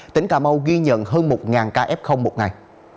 tỉnh cà mau ghi nhận hơn một ca f một ngày